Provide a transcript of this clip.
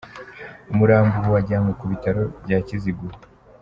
Umurambo ubu wajyanywe ku bitaro bya Kizuguro.